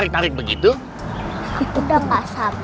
baca anak gua